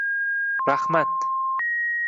Raxmat